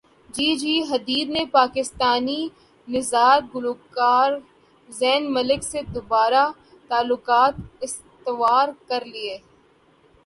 جی جی حدید نے پاکستانی نژاد گلوکار زین ملک سے دوبارہ تعلقات استوار کرلیے